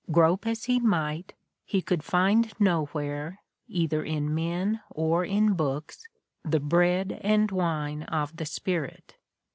Grope as he might, he could find nowhere, either in men or in Ijooks, the bread and wine of the spirit.